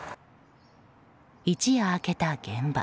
一夜明けた現場。